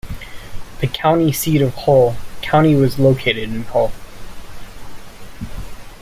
The County seat of Hull County was located in Hull.